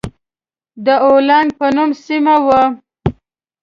د اولنګ په نوم سيمه وه.